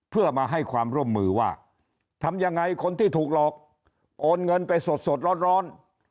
เพื่อมาให้ความร่วมมือว่าทำยังไงคนที่ถูกหลอกโอนเงินไปสดร้อน